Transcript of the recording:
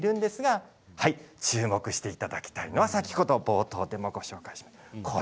注目していただきたいのが冒頭でもご紹介しました